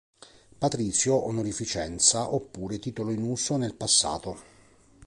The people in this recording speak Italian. Patrizio onorificenza oppure titolo in uso nel passato.